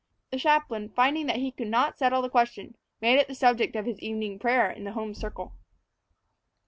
The chaplain, finding that he could not settle the question, made it the subject of his evening prayer in the home circle.